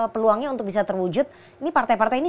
peluangnya untuk bisa terwujud ini partai partai ini